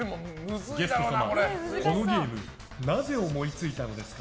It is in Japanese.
ゲスト様、このゲームなぜ思いついたんですか？